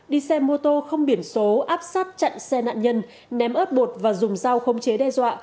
đi xe mô tô không biển số áp sát chặn xe nạn nhân ném ớt bột và dùng dao không chế đe dọa